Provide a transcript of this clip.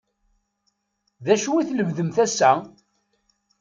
D acu i tlemdemt ass-a?